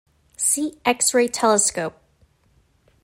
See X-ray telescope.